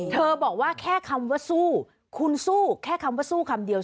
บอกว่าแค่คำว่าสู้คุณสู้แค่คำว่าสู้คำเดียว